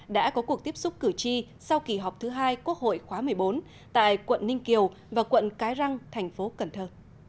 đã có cuộc tiếp xúc cử tri sau kỳ họp thứ hai quốc hội khóa một mươi bốn tại quận ninh kiều và quận cái răng thành phố cần thơ